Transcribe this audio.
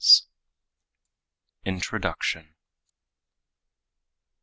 T.N. INTRODUCTION.